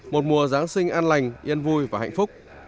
một mùa giáng sinh an lành yên vui và hạnh phúc